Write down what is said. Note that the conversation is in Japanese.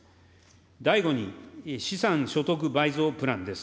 第５に、資産所得倍増プランです。